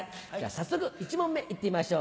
早速１問目いってみましょう。